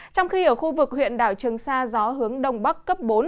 trong khi ở khu vực huyện đảo trường sa gió hướng đông bắc cấp bốn